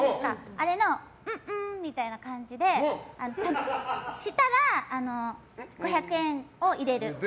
あれのウウーンみたいな感じでしたら、５００円を入れる。